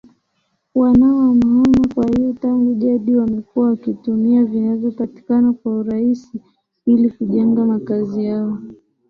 wanaohamahama kwa hiyo tangu jadi wamekuwa wakitumia vinavyopatikana kwa urahisi ili kujenga makazi yao